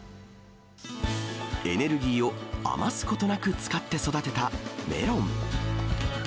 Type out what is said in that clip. エネルギーを余すことなく使って育てたメロン。